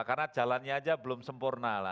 karena jalannya aja belum sempurna lah